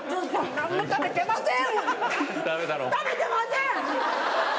何も食べてません！